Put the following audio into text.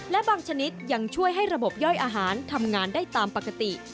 และบางชนิดยังช่วยให้ระบบย่อยอาหารทำงานได้ตามปกติ